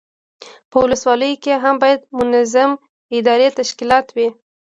په ولسوالیو کې هم باید منظم اداري تشکیلات وي.